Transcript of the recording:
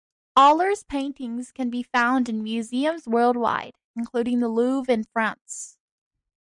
Oller's paintings can be found in museums worldwide, including the Louvre in France.